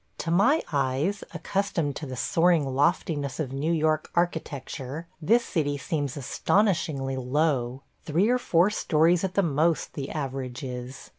To my eyes, accustomed to the soaring loftiness of New York architecture, this city seems astonishly low. Three or four stories at the most the average is.